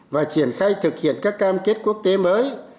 và triển khai thực hiện các cam kết quốc tế mới